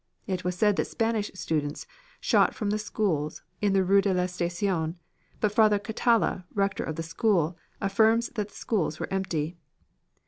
It was said that Spanish students shot from the schools in the Rue de la Station, but Father Catala, rector of the school, affirms that the schools were empty.